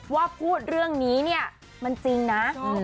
ว่าพูดเรื่องนี้เนี่ยมันจริงนะ